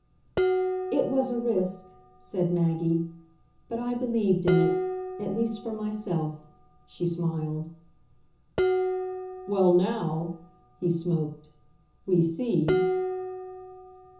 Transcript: "It was a risk," said Maggie "but I believed in it. At least for myself!" she smiled. "Well NOW," he smoked, "we see."